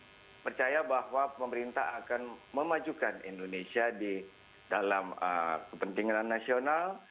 saya percaya bahwa pemerintah akan memajukan indonesia di dalam kepentingan nasional